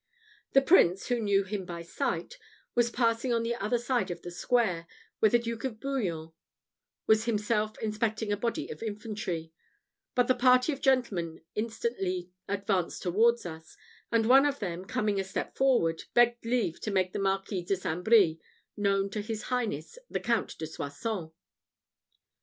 The Prince, who knew him by sight, was passing on to the other side of the square, where the Duke of Bouillon was himself inspecting a body of infantry; but the party of gentlemen instantly advanced towards us, and one of them, coming a step forward, begged leave to make the Marquis de St. Brie known to his Highness the Count de Soissons.